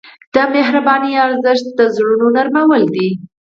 د مهربانۍ ارزښت د زړونو نرمول دي.